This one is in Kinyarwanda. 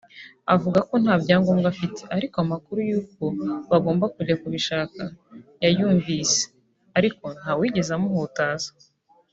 avuga ko nta byangombwa afite ariko amakuru yuko bagomba kujya kibishaka yayumvise ariko nta wigeze amuhutaza